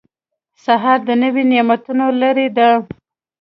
سهار د نوي نعمتونو لړۍ ده.